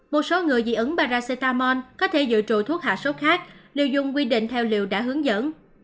một số người dị ứng paracetamol có thể dự trụ thuốc hạ sốt khác liều dùng quy định theo liều đã hướng dẫn